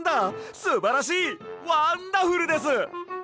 すばらしいワンダフルです！